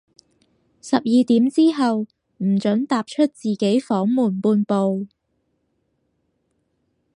十二點之後，唔准踏出自己房門半步